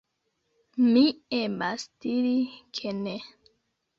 Mi emas diri ke ne.